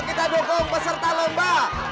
kita dukung peserta lomba